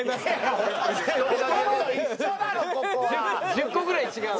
１０個ぐらい違う。